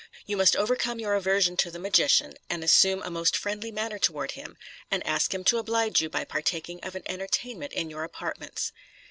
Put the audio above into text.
You must overcome your aversion to the magician, and assume a most friendly manner toward him, and ask him to oblige you by partaking of an entertainment in your apartments.